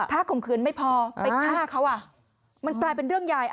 ถ้าข่มขืนไม่พอไปฆ่าเขามันกลายเป็นเรื่องใหญ่